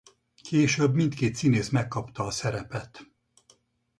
Később mindkét színész megkapta a szerepet.